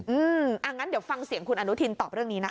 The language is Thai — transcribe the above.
อย่างนั้นเดี๋ยวฟังเสียงคุณอนุทินตอบเรื่องนี้นะคะ